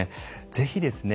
ぜひですね